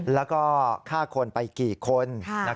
แล้วก็ฆ่าคนไปกี่คน